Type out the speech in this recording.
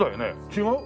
違う？